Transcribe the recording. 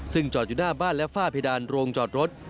ซึ่งจอดอยู่หน้าบ้านและฝ้าเพดานโรงจอดรถ